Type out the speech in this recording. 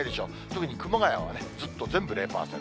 特に熊谷はずっと、全部０％。